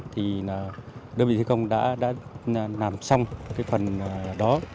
thì đơn vị thi công đã làm xong cái phần đó